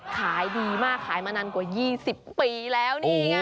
ค้ายดีมากค้ายมานานกว่า๒๐ปีแล้ว